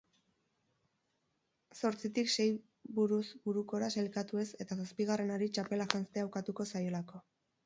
Zortzitik sei buruz burukora sailkatu ez eta zazpigarrenari txapela janztea ukatuko zaiolako.